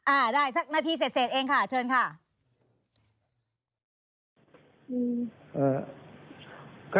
อ่าได้สักนาทีเสร็จเองค่ะเชิญค่ะ